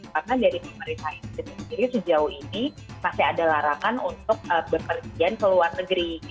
karena dari memperisai fitri sejauh ini masih ada larangan untuk bepergian ke luar negeri gitu